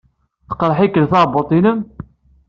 Teqreḥ-ikel tɛebbuḍt-nnem?